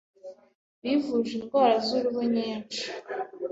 bivuje indwara z’uruhu nyinshi